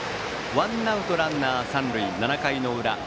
ワンアウトランナー、三塁７回の裏。